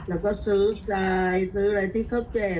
แล้วก็ซื้อทรายซื้ออะไรที่เขาแก่